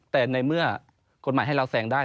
แต่ในเมื่อกฎหมายให้เราแซงได้